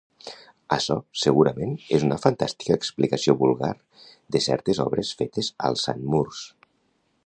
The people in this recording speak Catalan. Açò, segurament, és una fantàstica explicació vulgar de certes obres fetes alçant murs.